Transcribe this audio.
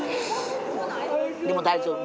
でも大丈夫。